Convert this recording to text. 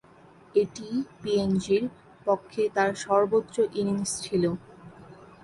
এটিই পিএনজি’র পক্ষে তার সর্বোচ্চ ইনিংস ছিল।